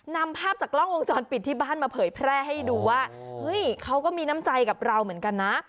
นำภาพจากกล้องวงจรปิดที่บ้านมาเผยแพร่ให้ดูว่าเฮ้ยเขาก็มีน้ำใจกับเราเหมือนกันนะ